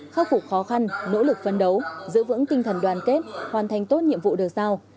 khắc phục khó khăn nỗ lực phân đấu giữ vững tinh thần đoàn kết hoàn thành tốt nhiệm vụ được sao